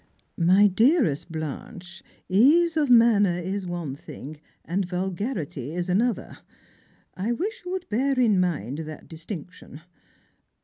" My dearest Blanche, ease of manner is one thing, and vul garity is another ; I wish you would bear in mind that distinc tion.